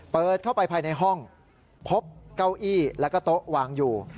เปิดเข้าไปภายในห้องพบเก้าอี้แล้วก็โต๊ะวางอยู่